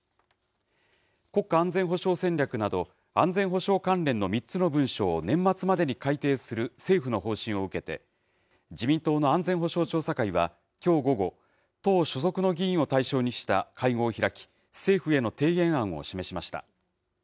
国家安全保障戦略など安全保障関連の３つの文書を年末までに改定する政府の方針を受けて、自民党の安全保障調査会はきょう午後、党所属の議員を対象にした会合を開き、政府への提言案を示しました。